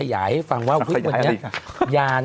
อย่าให้ฟังว่ายาน่ะ